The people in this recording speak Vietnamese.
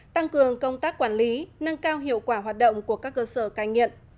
tăng cường công tác quản lý nâng cao hiệu quả hoạt động của các cơ sở cai nghiện